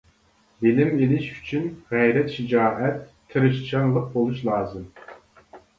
بىلىم ئېلىش ئۈچۈن غەيرەت-شىجائەت، تىرىشچانلىق بولۇش لازىم.